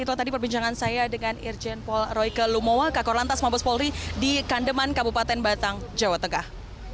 itulah tadi perbincangan saya dengan irjen paul royke lumowa kakor lantas mabes polri di kandeman kabupaten batang jawa tengah